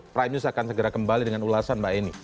prime news akan segera kembali dengan ulasan mbak eni